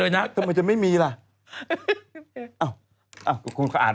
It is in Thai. เอาประกาศภายพิบัติกัน